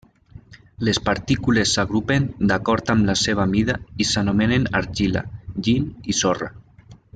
Les partícules s'agrupen d'acord amb la seva mida i s'anomenen argila, llim i sorra.